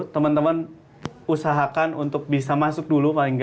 teman teman usahakan untuk bisa masuk dulu